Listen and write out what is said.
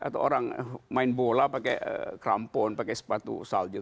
atau orang main bola pakai krampon pakai sepatu salju